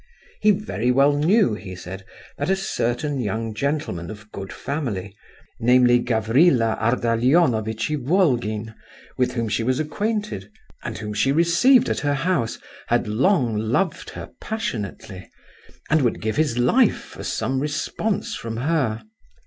He very well knew, he said, that a certain young gentleman of good family, namely, Gavrila Ardalionovitch Ivolgin, with whom she was acquainted, and whom she received at her house, had long loved her passionately, and would give his life for some response from her.